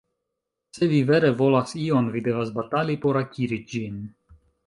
Se vi vere volas ion, vi devas batali por akiri ĝin.